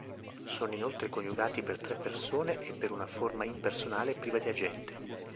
Sono inoltre coniugati per tre persone e per una forma impersonale priva di agente.